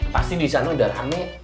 pasti di sana udah rame